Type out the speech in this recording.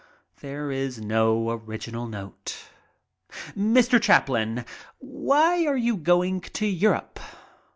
There is no original note. "Mr, Chaplin, why are you going to Europe?"